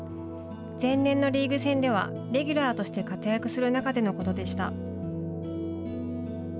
前年のリーグ戦ではレギュラーとして活躍する中でのことでした。